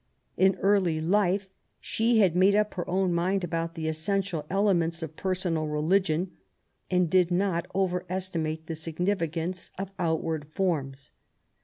In early life she had made up her own mind about the essential elements of personal religion, and did not over estimate the significance of outward forms.